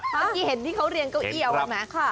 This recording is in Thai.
เมื่อกี้เห็นที่เขาเรียงเก้าอี้เอามา